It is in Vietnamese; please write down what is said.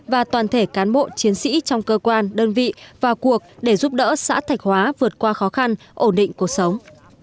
và toàn thể cán bộ chiến sĩ trong cơ quan đơn vị vào cuộc để giúp đỡ xã thạch hóa vượt qua khó khăn ổn định cuộc sống